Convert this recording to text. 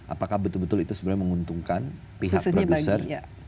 apakah betul betul itu sebenarnya menguntungkan pihak produser